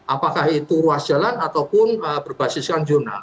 apakah itu ruas jalan ataupun berbasiskan jurnal